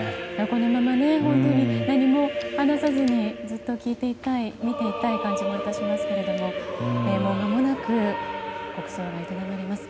このまま本当に何も話さずにずっと聴いていたい見ていたい感じもしますけれどもまもなく、国葬が営まれます。